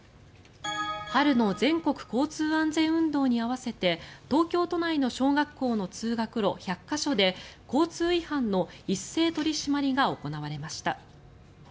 春の全国交通安全運動に合わせて東京都内の小学校の通学路１００か所で交通違反の一斉取り締まりが行われました。